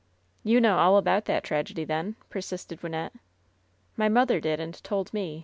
"You know all about that tragedy, then?" persisted Wynnette. "My mother did, and told me.